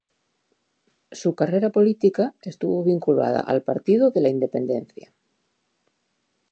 Su carrera política estuvo vinculada al Partido de la Independencia.